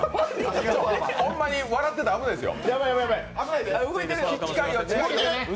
ホンマに笑ってたら危ないですよ。